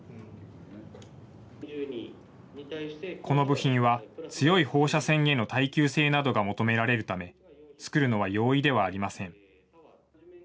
この部品は、強い放射線への耐久性などが求められるため、作るのは容易ではありません。